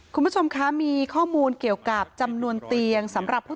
คุณผู้ชมคะมีข้อมูลเกี่ยวกับจำนวนเตียงสำหรับผู้